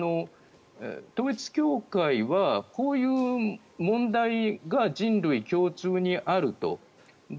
統一教会は、こういう問題が人類共通にあると。